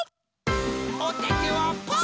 おててはパー！